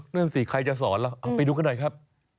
นั่นสิใครจะสอนเราเอาไปดูกันหน่อยครับ